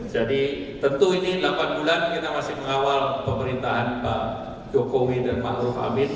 jadi tentu ini delapan bulan kita masih mengawal pemerintahan pak jokowi dan pak ruf amin